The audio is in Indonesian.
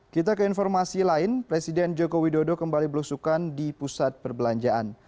kita ke informasi lain presiden joko widodo kembali berusukan di pusat perbelanjaan